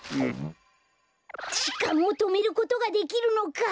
じかんをとめることができるのか！